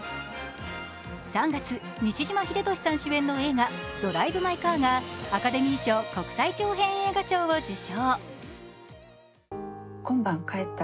３月、西島秀俊主演の映画「ドライブ・マイ・カー」がアカデミー賞国際長編映画賞を受賞。